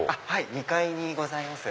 ２階にございます。